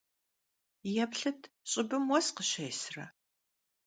Yêplhıt, ş'ıbım vues khışêsıre!